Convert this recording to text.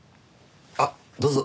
あっどうぞ。